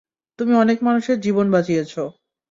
তুমি অনেক মানুষের জীবন বাঁচিয়েছো।